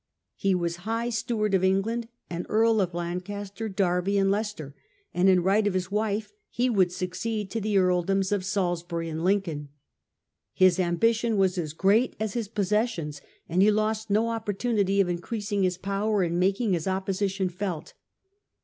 He was high steward of England and Earl of Lancaster, Derby, and Leicester, and in right of his wife he would succeed to the earldoms of Salisbury and Lincoln. His ambition was as great as his possessions, and he lost no opportunity of increasing his power and making his opposition felt.